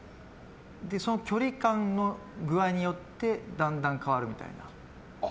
その距離感の具合によってだんだん変わるみたいな。